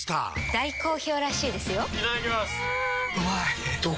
大好評らしいですよんうまい！